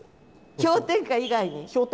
「氷点下」以外に。